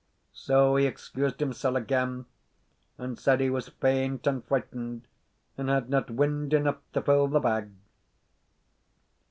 So he excused himsell again, and said he was faint and frightened, and had not wind aneugh to fill the bag.